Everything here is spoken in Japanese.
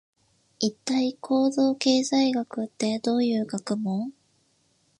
一体、行動経済学ってどういう学問？